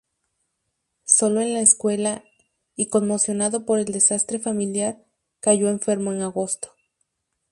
Solo en la escuela, y conmocionado por el desastre familiar, cayó enfermo en agosto.